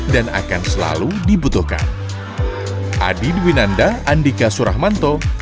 dan akan selalu dibutuhkan